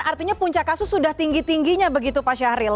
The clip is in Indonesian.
artinya puncak kasus sudah tinggi tingginya begitu pak syahril